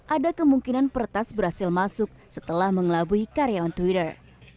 ada kemungkinan peretas berhasil masuk setelah mengelabui karya on twitter